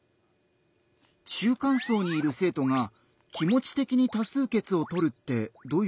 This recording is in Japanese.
中間層にいる生徒が「気持ち的に多数決をとる」ってどういうこと？